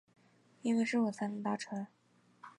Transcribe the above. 因为是我才能达成